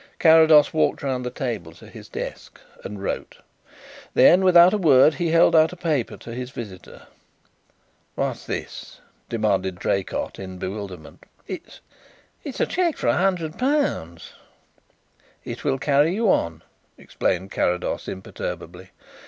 Carrados walked round the table to his desk and wrote. Then, without a word, he held out a paper to his visitor. "What's this?" demanded Draycott, in bewilderment. "It's it's a cheque for a hundred pounds." "It will carry you on," explained Carrados imperturbably.